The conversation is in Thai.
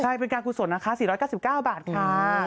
ใช่เป็นการกุศลนะคะ๔๙๙บาทค่ะ